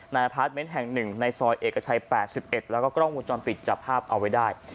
นาภาษาแมนแห่งหนึ่งในซอยเอกชัยแปดสิบเอ็ดแล้วก็กล้องมูลจอมปิดจับภาพเอาไว้ได้